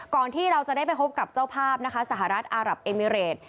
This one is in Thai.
ที่เราจะได้ไปพบกับเจ้าภาพนะคะสหรัฐอารับเอมิเรต